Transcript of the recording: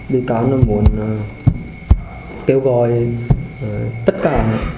bị cáo là muốn kêu gọi tất cả